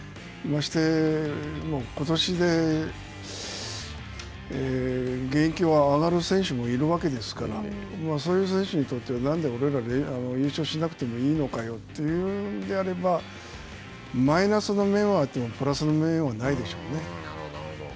まして、ことしで現役を上がる選手もいるわけですからそういう選手にとっては俺らは優勝しなくてもいいのかよということであればマイナスの面はあってもプラスの面はないでしょうね。